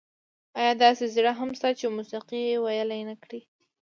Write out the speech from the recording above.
ایا داسې زړه هم شته چې موسيقي یې ویلي نه کړي؟